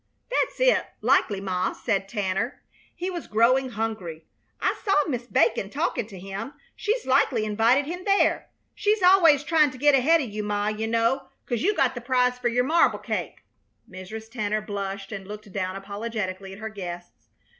"That's it, likely, Ma," said Tanner. He was growing hungry. "I saw Mis' Bacon talkin' to him. She's likely invited him there. She's always tryin' to get ahead o' you, Ma, you know, 'cause you got the prize fer your marble cake." Mrs. Tanner blushed and looked down apologetically at her guests.